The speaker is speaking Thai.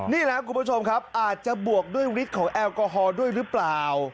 นี่ครับคุณผู้ชมครับอาจจะบวกด้วยฤทธิของแอลกอฮอล์ด้วยหรือเปล่า